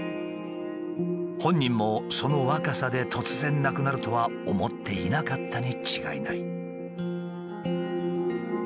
本人もその若さで突然亡くなるとは思っていなかったに違いない。